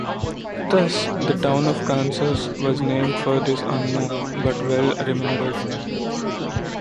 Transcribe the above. Thus, the town of Kansas was named for this unknown, but well remembered man.